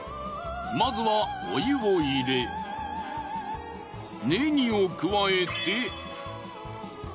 まずはお湯を入れネギを加えて。